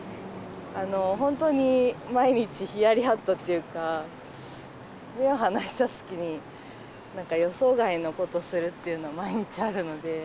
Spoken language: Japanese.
本当に毎日、ひやりはっとっていうか、目を離したすきに、なんか予想外のことするっていうの、毎日あるので。